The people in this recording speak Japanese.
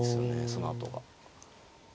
そのあとが。